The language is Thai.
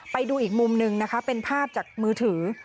ไปดูอีกมุมหนึ่งนะคะเป็นภาพจากมือถือ